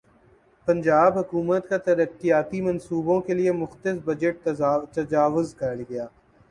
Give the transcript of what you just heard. پنجاب حکومت کا ترقیاتی منصوبوں کیلئےمختص بجٹ تجاوزکرگیا